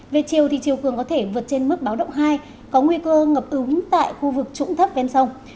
về chiều thì chiều cường có thể vượt trên mức báo động hai có nguy cơ ngập úng tại khu vực trũng thấp ven sông